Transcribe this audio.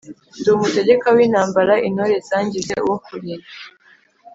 ndi umutegeka w'intambara intore zangize uwo kulinda.